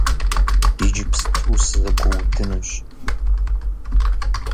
Иджыпсту сызэгуэудынущ!